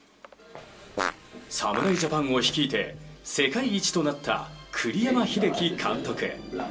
侍ジャパンを率いて世界一となった栗山英樹監督。